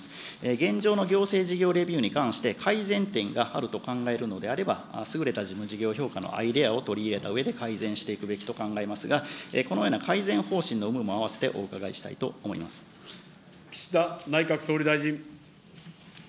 現状の行政事業レビューに関して改善点があると考えるのであれば、優れた事務事業評価のアイデアを取り入れたうえで改善していくべきと考えますが、このような改善方針の有無も併せてお伺いしたい岸田内閣総理大臣。